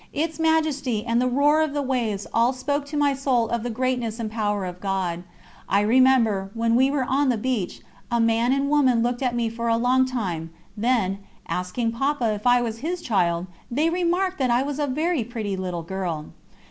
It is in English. Its majesty, and the roar of the waves, all spoke to my soul of the greatness and power of God. I remember, when we were on the beach, a man and woman looked at me for a long time, then, asking Papa if I was his child, they remarked that I was a very pretty little girl.